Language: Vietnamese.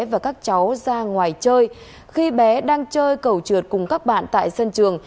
và các cháu ra ngoài chơi khi bé đang chơi cầu trượt cùng các bạn tại sân trường